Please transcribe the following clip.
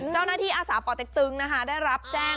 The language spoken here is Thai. เจ้าหน้าที่อาศาปอตเต็กตึงนะคะได้รับแจ้ง